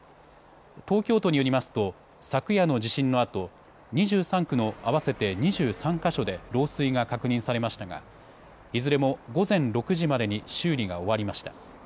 東京都によりますと昨夜の地震のあと２３区の合わせて２３か所で漏水が確認されましたがいずれも午前６時までに修理が終わりました。